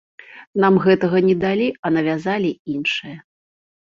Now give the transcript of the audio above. Нам гэтага не далі, а навязалі іншае.